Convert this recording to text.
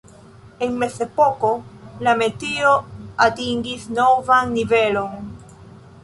En Mezepoko la metio atingis novan nivelon.